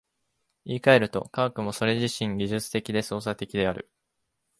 言い換えると、科学もそれ自身技術的で操作的である。